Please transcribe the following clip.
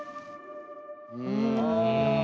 うん。